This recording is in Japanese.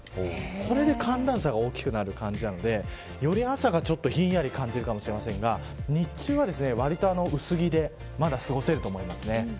これで寒暖差が大きくなる感じなのでより朝がひんやり感じるかもしれませんが日中は、わりと薄着でまだ過ごせると思います。